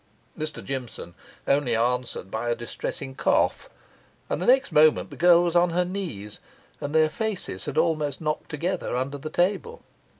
Mr Jimson only answered by a distressing cough; and the next moment the girl was on her knees, and their faces had almost knocked together under the table.